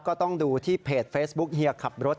ก็ต้องดูที่เพจเฟซบุ๊กเฮียขับรถ